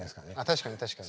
確かに確かに。